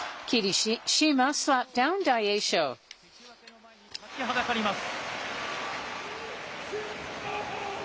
新大関が関脇の前に立ちはだかります。